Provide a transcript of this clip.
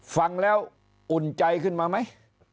ฟังแล้วอุ่นใจขึ้นมาไหม